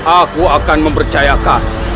aku akan mempercayakan